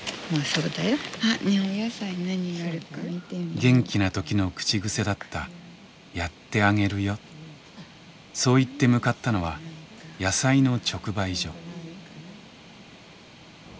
元気な時の口癖だったそう言って向かったのは野菜の直売所。